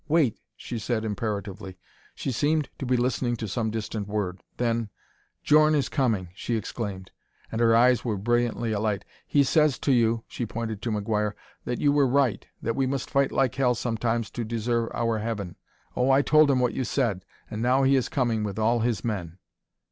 "Wait!" she said imperatively. She seemed to be listening to some distant word. Then: "Djorn is coming," she exclaimed, and her eyes were brilliantly alight. "He says to you" she pointed to McGuire "that you were right, that we must fight like hell sometimes to deserve our heaven oh, I told him what you said and now he is coming with all his men!"